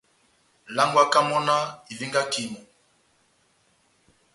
Langwaka mɔ́ náh ivengakandi mɔ́.